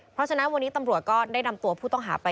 เพราะฉะนั้นวันนี้ตำรวจก็ได้นำตัวผู้ต้องหาไป